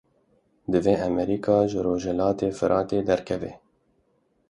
Divê Amerîka ji rojhilatê Firatê derkeve.